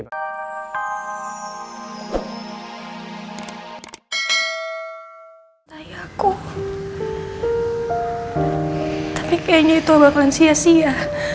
tapi kayaknya itu abang sia sia